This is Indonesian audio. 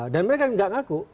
dan mereka nggak ngaku